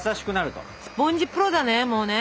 スポンジプロだねもうね。